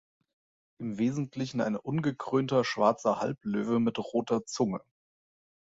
Im Wesentlichen ein ungekrönter, schwarzer Halblöwe mit roter Zunge.